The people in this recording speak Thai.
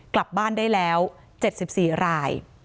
กลับบ้านได้แล้ว๗๔ราย